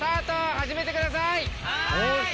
始めてください！